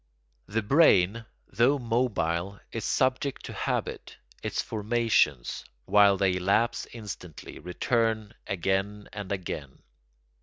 The brain, though mobile, is subject to habit; its formations, while they lapse instantly, return again and again.